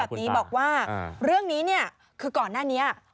แบบนี้บอกว่าเรื่องนี้เนี่ยคือก่อนหน้านี้